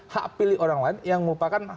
hak pilih orang lain yang merupakan